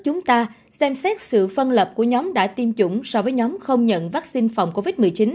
chúng ta xem xét sự phân lập của nhóm đã tiêm chủng so với nhóm không nhận vaccine phòng covid một mươi chín